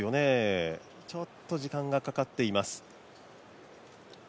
ちょっと時間がかかっています。